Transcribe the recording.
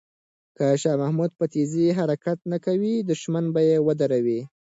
که شاه محمود په تېزۍ حرکت نه کوي، دښمن به یې ودروي.